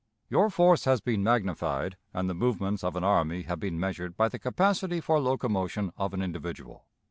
"Your force has been magnified, and the movements of an army have been measured by the capacity for locomotion of an individual.